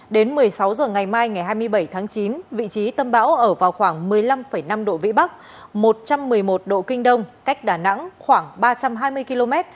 đến một mươi sáu h ngày mai ngày hai mươi bảy tháng chín vị trí tâm bão ở vào khoảng một mươi năm năm độ vĩ bắc một trăm một mươi một độ kinh đông cách đà nẵng khoảng ba trăm hai mươi km